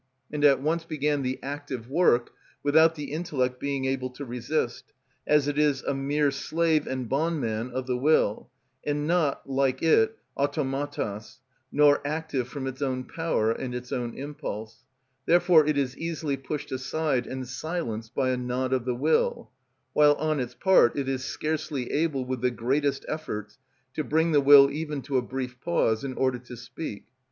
and at once began the active work, without the intellect being able to resist, as it is a mere slave and bondman of the will, and not, like it, αυτοματος, nor active from its own power and its own impulse; therefore it is easily pushed aside and silenced by a nod of the will, while on its part it is scarcely able, with the greatest efforts, to bring the will even to a brief pause, in order to speak.